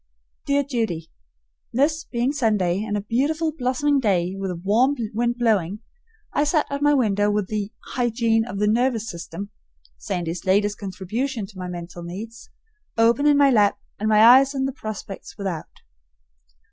Dear Judy: This being Sunday and a beautiful blossoming day, with a warm wind blowing, I sat at my window with the "Hygiene of the Nervous System" (Sandy's latest contribution to my mental needs) open in my lap, and my eyes on the prospect without.